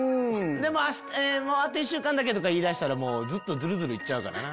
「でもあと１週間だけ」とか言いだしたらズルズル行っちゃうからな。